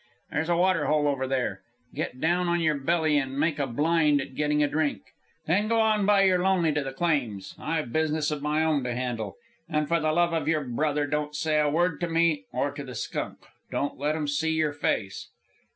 "There's a water hole over there. Get down on your belly and make a blind at gettin' a drink. Then go on by your lonely to the claims; I've business of my own to handle. And for the love of your bother don't say a word to me or to the skunk. Don't let 'm see your face."